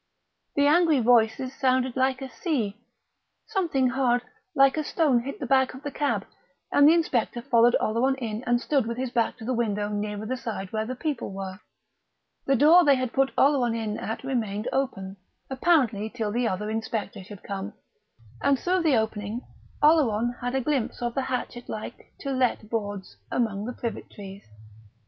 The angry voices sounded like a sea; something hard, like a stone, hit the back of the cab; and the inspector followed Oleron in and stood with his back to the window nearer the side where the people were. The door they had put Oleron in at remained open, apparently till the other inspector should come; and through the opening Oleron had a glimpse of the hatchet like "To Let" boards among the privet trees.